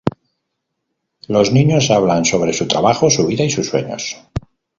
Los niños hablan sobre su trabajo, su vida y sus sueños.